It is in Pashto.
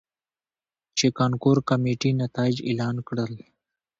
،چې کانکور کميټې نتايج اعلان کړل.